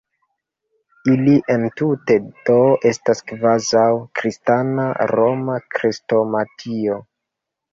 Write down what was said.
Ili entute do estas kvazaŭ «Kristana Roma Krestomatio».